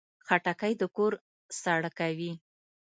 خټکی د کور سړه کوي.